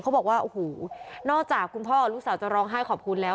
เขาบอกว่าโอ้โหนอกจากคุณพ่อกับลูกสาวจะร้องไห้ขอบคุณแล้ว